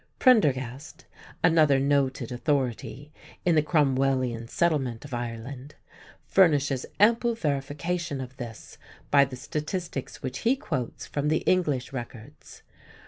Prendergast, another noted authority, in the Cromwellian Settlement of Ireland, furnishes ample verification of this by the statistics which he quotes from the English records.